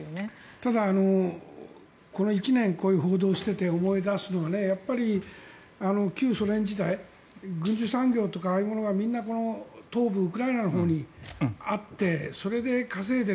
ただ、この１年こういう報道をしていて思い出すのはやっぱり旧ソ連時代軍需産業とかああいうものがみんな東部ウクライナのほうにあってそれで稼いでいる。